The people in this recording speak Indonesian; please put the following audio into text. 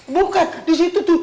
bukan di situ tuh